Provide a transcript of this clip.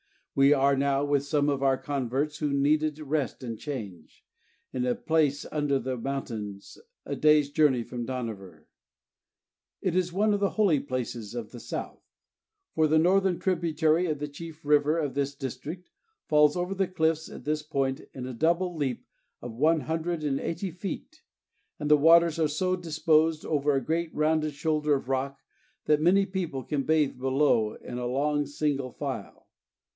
We are now, with some of our converts who needed rest and change, in a place under the mountains a day's journey from Dohnavur. It is one of the holy places of the South; for the northern tributary of the chief river of this district falls over the cliffs at this point in a double leap of one hundred and eighty feet, and the waters are so disposed over a great rounded shoulder of rock that many people can bathe below in a long single file.